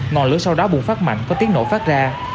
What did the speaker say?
ngọn lửa sau đó bùng phát mạnh có tiếng nổ phát ra